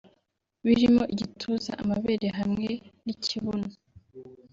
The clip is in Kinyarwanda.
birimo igituza (amabere) hamwe n’ikibuno